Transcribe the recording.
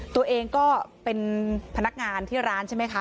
ตัวเองก็เป็นพนักงานที่ร้านใช่ไหมคะ